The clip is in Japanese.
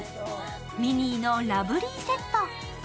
ミニーのラブリーセット。